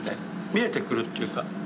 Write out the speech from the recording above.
見えてくるというか。